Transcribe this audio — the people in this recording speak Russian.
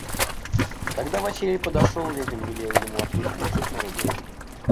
Когда Василий подошел, Левин велел ему отвесть лошадь на рубеж.